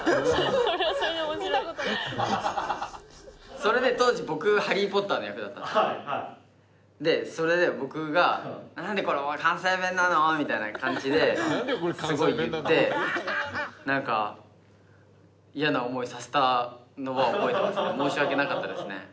それででそれで僕が「なんでこれ関西弁なの？」みたいな感じですごい言ってなんか嫌な思いさせたのは覚えてますね。